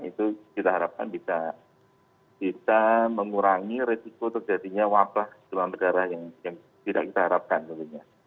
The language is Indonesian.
itu kita harapkan bisa mengurangi risiko terjadinya wabah demam berdarah yang tidak kita harapkan tentunya